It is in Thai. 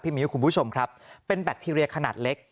มิ้วคุณผู้ชมครับเป็นแบคทีเรียขนาดเล็ก